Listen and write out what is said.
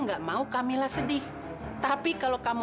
ngapain telfon papi